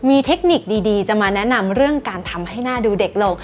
มีเทคนิคดีจะมาแนะนำเรื่องการทำให้หน้าดูเด็กลง